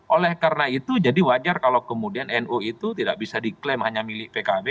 oleh karena itu jadi wajar kalau kemudian nu itu tidak bisa diklaim hanya milik pkb